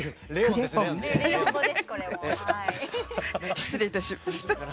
失礼いたしました。